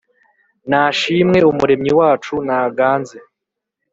nashimwe umuremyi wacu naganze